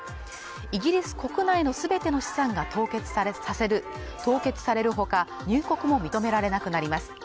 イギリス国内のすべての資産が凍結されるほか入国も認められなくなります